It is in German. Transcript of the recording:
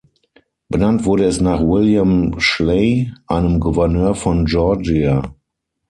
Benannt wurde es nach William Schley, einem Gouverneur von Georgia.